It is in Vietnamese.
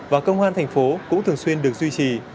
và công an thành phố cũng thường xuyên được duy trì